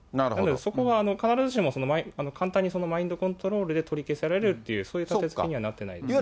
そこは必ずしも、簡単にマインドコントロールで取り消されるっていう、そういうたてつけにはなってないです。